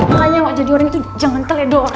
malah nyawa jadi orang itu jangan terledo